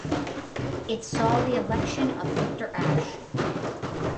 It saw the election of Victor Ashe.